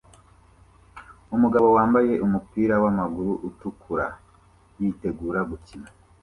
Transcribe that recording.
Umugabo wambaye umupira wamaguru utukura yitegura gukina